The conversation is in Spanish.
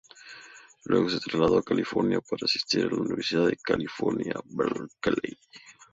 Luego se trasladó a California para asistir a la Universidad de California, Berkeley.